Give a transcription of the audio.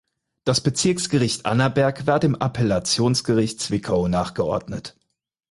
Das Bezirksgericht Annaberg war dem Appellationsgericht Zwickau nachgeordnet.